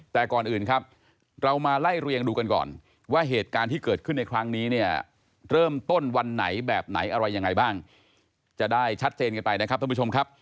แต่ก่อนอื่นครับเรามาไล่เรียงดูกันก่อนว่าเหตุการณ์ที่เกิดขึ้นในครั้งนี้เนี่ยเริ่มต้นวันไหนแบบไหนอะไรยังไงบ้างจะได้ชัดเจนกันไปนะครับท่านผู้ชมครับ